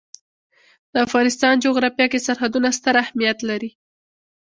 د افغانستان جغرافیه کې سرحدونه ستر اهمیت لري.